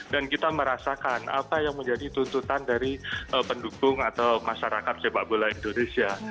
dan kita merasakan apa yang menjadi tuntutan dari pendukung atau masyarakat sepak bola indonesia